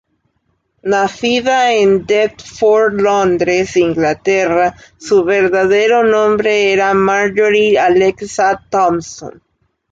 Nacida en Deptford, Londres, Inglaterra, su verdadero nombre era Marjorie Alexa Thomson.